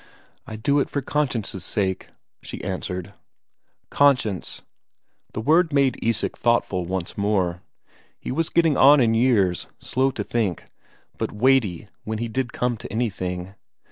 "I do it for conscience' sake," she answered. Conscience! The word made Isak thoughtful once more. He was getting on in years, slow to think, but weighty when he did come to anything.